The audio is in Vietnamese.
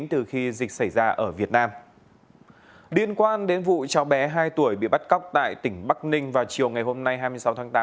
tuyên quang đến vụ cháu bé hai tuổi bị bắt cóc tại tỉnh bắc ninh vào chiều ngày hôm nay hai mươi sáu tháng tám